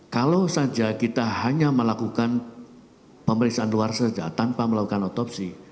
kalau saja kita hanya melakukan pemeriksaan luar saja tanpa melakukan otopsi